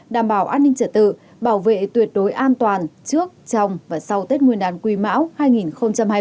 đảm bảo an ninh trở tự bảo vệ tuyệt đối an toàn trước trong và sau tết nguyên đàn quy mão hai nghìn hai mươi ba